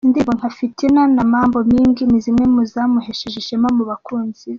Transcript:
Indirimbo nka "Fitina" na "Mambo Mingi", ni zimwe mu zamuhesheje ishema mu bakunzi be.